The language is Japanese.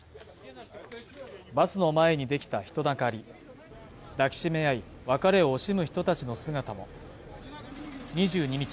バスの前にできた人だかり抱きしめ合い別れを惜しむ人たちの姿も２２日